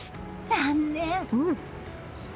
残念！